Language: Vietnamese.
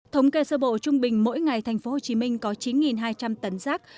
thống kê sơ bộ trung bình mỗi ngày thành phố hồ chí minh có chín hai trăm linh tấn rác